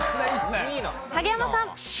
影山さん。